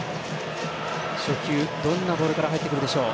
初球、どんなボールから入ってくるでしょう。